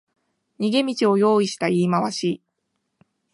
逃げ道を用意した言い回し